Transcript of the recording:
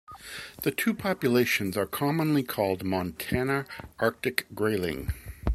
The two populations are commonly called Montana Arctic grayling.